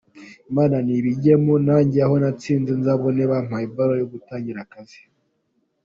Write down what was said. Imana nibijyemo najye aho natsinze nzabone bampaye ibaruwa yo gutangira akazi.